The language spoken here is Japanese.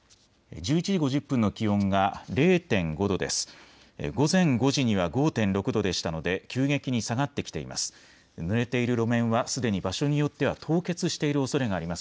１１時５０分の気温が０．５度です。